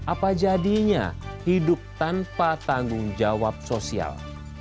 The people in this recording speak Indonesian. apa jadinya hidup tanpa tanggung jawab sosial